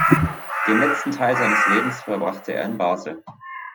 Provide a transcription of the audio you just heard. Den letzten Teil seines Lebens verbrachte er in Basel.